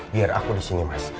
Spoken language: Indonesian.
biar aku di sini mas